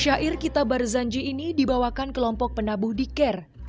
syair kita barzanji ini dibawakan kelompok penabuh diker